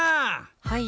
はい。